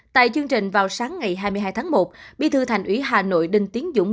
tại chương trình vào sáng ngày hai mươi hai tháng một bí thư thành ủy hà nội đinh tiến dũng